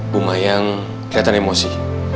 bu mayang kelihatan emosi